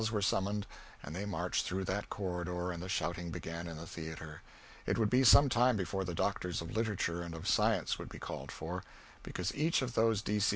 's were summoned, and they marched through that corridor and the shouting began in the theatre. It would be some time before the Doctors of Literature and of Science would be called for, because each of those D.C.